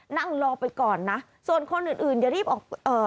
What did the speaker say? นั่งรอไปก่อนนะส่วนคนอื่นอื่นอย่ารีบออกเอ่อ